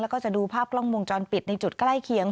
แล้วก็จะดูภาพกล้องวงจรปิดในจุดใกล้เคียง